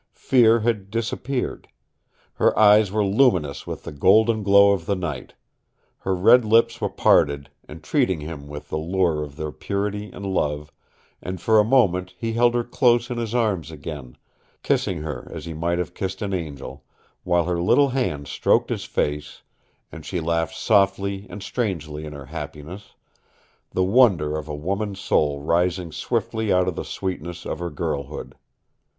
Fear had disappeared. Her eyes were luminous with the golden glow of the night. Her red lips were parted, entreating him with the lure of their purity and love, and for a moment he held her close in his arms again, kissing her as he might have kissed an angel, while her little hands stroked his face, and she laughed softly and strangely in her happiness the wonder of a woman's soul rising swiftly out of the sweetness of her girlhood.